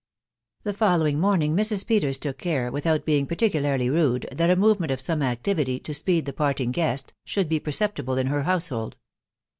• The following morning Mrs. Peters took care, without being particularly rude, that a movement of some activity " to speed the parting guest," should be perceptible in her household.